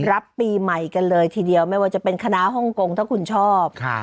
รับปีใหม่กันเลยทีเดียวไม่ว่าจะเป็นคณะฮ่องกงถ้าคุณชอบ